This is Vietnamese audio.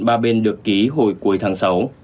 ba bên được ký hồi cuối tháng sáu